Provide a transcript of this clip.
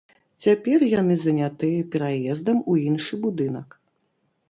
Цяпер яны занятыя пераездам у іншы будынак.